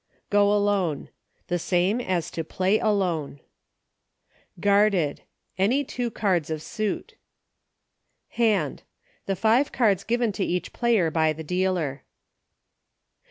Go Alone. The same as to Play Alone. Guabded. Any two cards of suit. Hand. The five cards given to each player by the dealer.